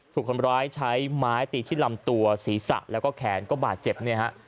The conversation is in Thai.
ถูกคนร้ายใช้ไม้ตีที่ลำตัวศีรษะแล้วก็แขนก็บาดเจ็บเนี่ยฮะ